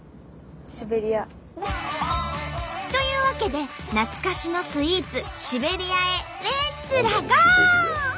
シベリア。というわけで懐かしのスイーツ「シベリア」へレッツラゴー！